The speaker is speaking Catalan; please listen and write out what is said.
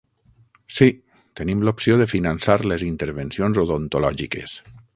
Sí, tenim l'opció de finançar les intervencions odontològiques.